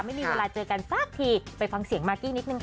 ไม่มีเวลาเจอกันสักทีไปฟังเสียงมากกี้นิดนึงค่ะ